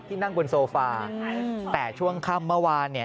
นั่งบนโซฟาแต่ช่วงค่ำเมื่อวานเนี่ย